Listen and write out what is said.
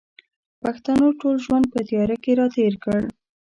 پښتنو ټول ژوند په تیاره کښې را تېر کړ